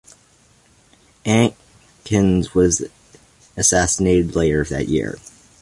Adkins was assassinated later that year.